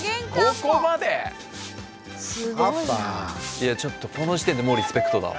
いやちょっとこの時点でもうリスペクトだわ。